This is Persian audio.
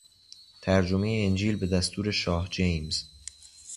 ترجمهی انجیل به دستور شاه جیمز